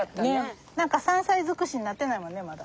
何か山菜尽くしになってないもんねまだ。